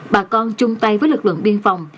bà con chung tay với lực lượng biên phòng